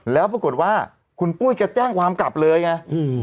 แล้วปรากฏว่าคุณปุ้ยแกแจ้งความกลับเลยไง